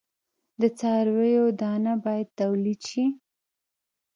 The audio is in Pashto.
د څارویو دانه باید تولید شي.